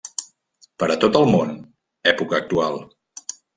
Per a tot el món, època actual.